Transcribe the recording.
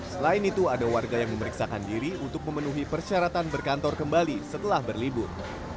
selain itu ada warga yang memeriksakan diri untuk memenuhi persyaratan berkantor kembali setelah berlibur